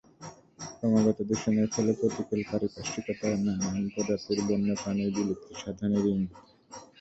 ক্রমাগত দূষণের ফলে প্রতিকূল পারিপার্শ্বিকতায় নানান প্রজাতির বন্য প্রাণীর বিলুপ্তিসাধনের ইঙ্গিতে।